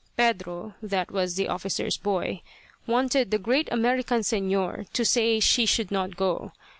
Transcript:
Pedro that was the officer's boy wanted 'the great American Señor' to say she should not go.